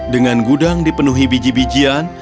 dengan gudang dipenuhi biji bijian